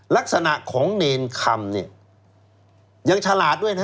ลักษณะของเนรคำเนี่ยยังฉลาดด้วยนะ